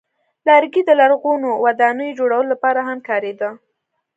لرګی د لرغونو ودانیو جوړولو لپاره هم کارېده.